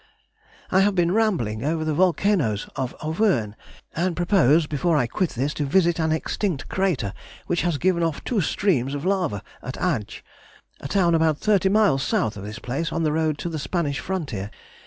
_] I have been rambling over the volcanoes of Auvergne, and propose before I quit this, to visit an extinct crater which has given off two streams of lava at Agde, a town about thirty miles south of this place on the road to the Spanish frontier.